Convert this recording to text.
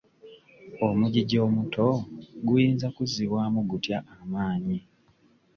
Omugigi omuto guyinza kuzzibwamu gutya amaanyi?